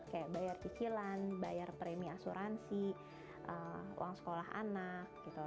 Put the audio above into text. kayak bayar cicilan bayar premi asuransi uang sekolah anak gitu